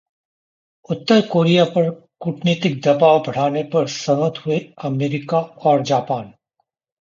उत्तर Korea पर कूटनीतिक दबाव बढ़ाने पर सहमत हुए अमेरिका और जापान